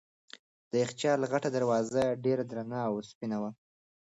د یخچال غټه دروازه ډېره درنه او سپینه وه.